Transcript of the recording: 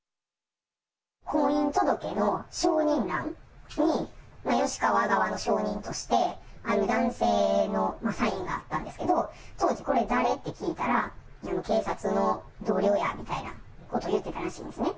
婚姻届の証人欄に、吉川側の証人として、男性のサインがあったんですけど、当時、これ誰？って聞いたら、警察の同僚やみたいなこと言ってたらしいんですね。